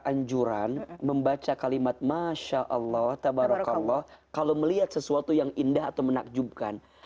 anjuran membaca kalimat masya allah tabarakallah kalau melihat sesuatu yang indah atau menakjubkan